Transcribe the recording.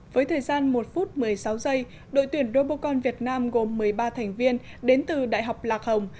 với thời gian một phút một mươi sáu giây đội tuyển robocon việt nam gồm một mươi ba thành viên đến từ đại học lạc hồng